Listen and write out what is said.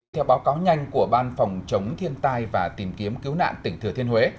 theo báo cáo nhanh của ban phòng chống thiên tai và tìm kiếm cứu nạn tỉnh thừa thiên huế